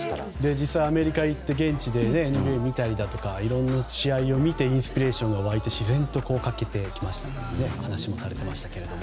実際アメリカ行って現地でＮＢＡを見たりだとかいろんな試合を見てインスピレーションが沸いて自然と書けてきましたという話もされていました。